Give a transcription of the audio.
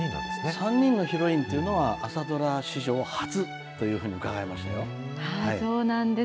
３人のヒロインっていうのは、朝ドラ史上初というふうにうかがそうなんです。